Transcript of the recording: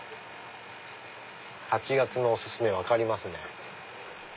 ８月のお薦め分かりますね。